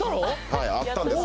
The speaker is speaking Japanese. はいあったんです